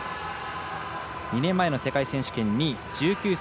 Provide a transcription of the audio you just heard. ２年前の世界選手権、２位１９歳。